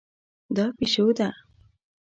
دا پیشو ده